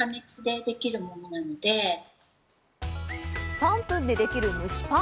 ３分でできる蒸しパン。